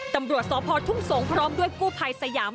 ตำรวจสพทุ่งสงศ์พร้อมด้วยกู้ภัยสยาม